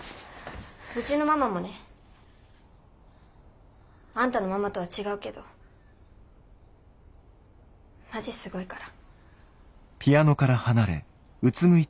うちのママもねあんたのママとは違うけどマジすごいから。